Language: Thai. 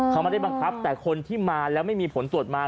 เขาไม่ได้บังคับแต่คนที่มาแล้วไม่มีผลตรวจมา